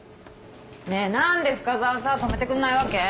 ねえ何で深澤さ止めてくんないわけ？